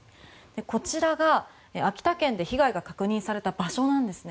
こちらが秋田県で被害が確認された場所なんです。